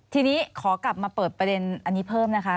ทีนี้ขอกลับมาเปิดประเด็นอันนี้เพิ่มนะคะ